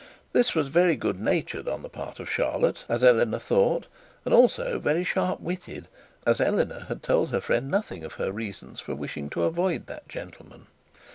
This was very good natured on the part of Charlotte, as Eleanor thought, and also very sharp witted, as Eleanor had told her friend nothing of her reasons for wishing to avoid that gentleman.